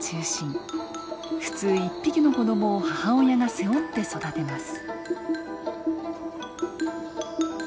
普通１匹の子どもを母親が背負って育てます。